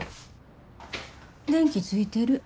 電気ついてる。